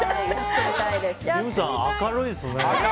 キムさん、明るいですね。